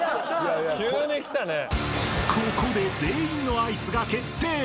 ［ここで全員のアイスが決定］